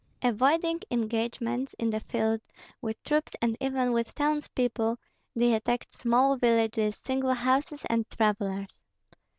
Avoiding engagements in the field with troops and even with townspeople, they attacked small villages, single houses, and travellers.